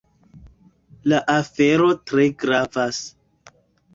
La afero tre gravas.